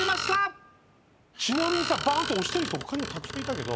ちなみにさバンと押してる人他にもたくさんいたけど。